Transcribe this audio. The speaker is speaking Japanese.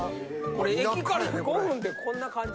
これ駅から５分でこんな感じ。